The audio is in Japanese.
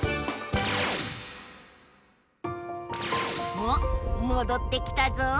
おっもどってきたぞ。